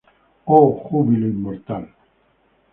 Oh Júbilo inmortal!